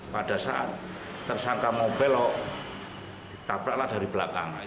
pada saat tersangka mau belok ditabraklah dari belakang